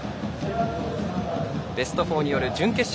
ベスト４による準決勝